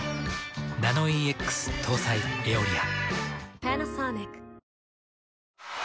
ナノイーＸ搭載「エオリア」。